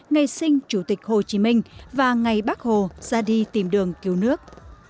ngày sinh chủ tịch hồ chí minh và ngày bác hồ ra đi tìm đường cứu nước